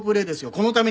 このため？